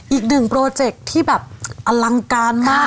อีกหนึ่งโปรเจคที่แบบอลังการมาก